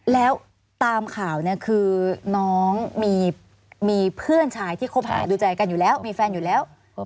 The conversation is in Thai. แล้วตามข่าวเนี่ยคือน้องมีเพื่อนชายที่คบหาดูใจกันอยู่แล้วมีแฟนอยู่แล้ว